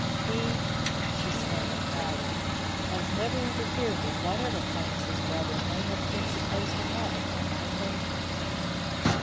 "He," she stammered proudly, "has never interfered with whatever claims his brother may have been supposed to have upon my favour."